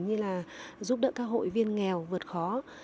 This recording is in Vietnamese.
như là giúp đỡ các hội viên nghèo vượt khó